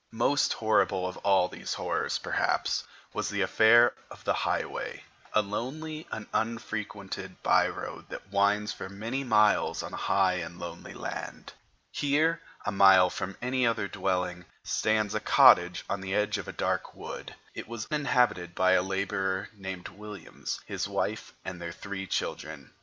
Most horrible of all these horrors, perhaps, was the affair of the Highway, a lonely and unfrequented by road that winds for many miles on high and lonely land. Here, a mile from any other dwelling, stands a cottage on the edge of a dark wood. It was inhabited by a laborer named Williams, his wife, and their three children.